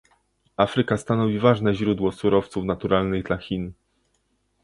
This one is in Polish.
Afryka stanowi ważne źródło surowców naturalnych dla Chin